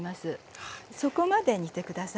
そこまで煮て下さい。